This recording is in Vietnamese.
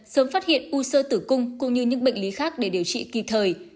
sớm phát hiện u sơ tử cung cũng như những bệnh lý khác để điều trị kịp thời